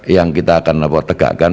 yang kita akan tegakkan